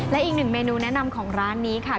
และอีกหนึ่งเมนูแนะนำของร้านนี้ค่ะ